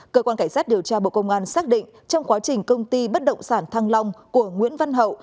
cơ quan cảnh sát điều tra bộ công an xác định trong quá trình công ty bất động sản thăng long của nguyễn văn hậu